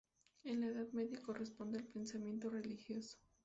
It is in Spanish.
En la Edad Media corresponde al pensamiento religioso.